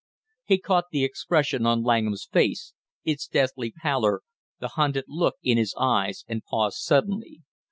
He caught the expression on Langham's face, its deathly pallor, the hunted look in his eyes, and paused suddenly.